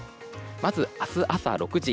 まず、明日朝６時。